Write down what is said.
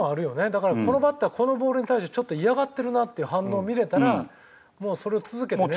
だからこのバッターこのボールに対してちょっと嫌がってるなっていう反応を見れたらもうそれを続けてね。